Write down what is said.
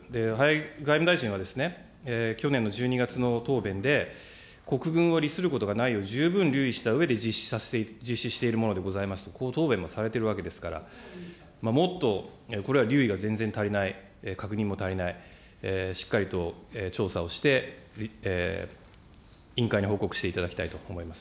外務大臣は去年の１２月の答弁で、国軍を利することがないよう、十分留意したうえで実施しているものでございますと、こう答弁されてるわけですから、もっとこれは留意が全然足りない、確認も足りない、しっかりと調査をして、委員会に報告していただきたいと思います。